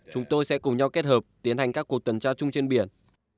chúng tôi sẽ cùng nhau kết hợp tiến hành các cuộc tuần tra chung trên biển